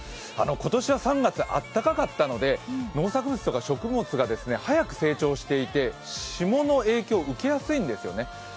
今年は３月、暖かかったので農作物や植物が早く成長していて霜の影響を受けやすいんですよね。